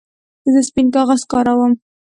زه سپین کاغذ کاروم.